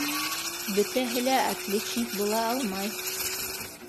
Бөтәһе лә отличник була алмай.